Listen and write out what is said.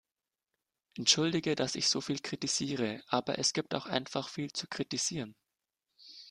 Entschuldige, dass ich so viel kritisiere, aber es gibt auch einfach viel zu kritisieren.